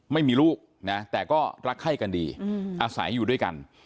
ไม่มีลูกนะแต่ก็รักไข้กันดีอาศัยอยู่ด้วยกัน